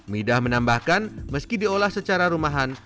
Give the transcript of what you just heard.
midah menambahkan meski diolah secara rumahan